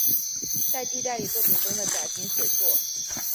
在的代理作品中的甲田写作。